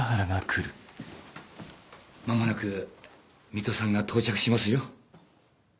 間もなく水戸さんが到着しますよ。